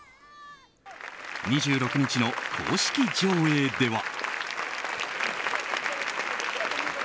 ２６日の公式上映では。